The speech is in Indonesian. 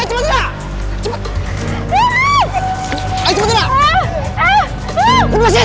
aku juga bisa ketemu sally dan poppy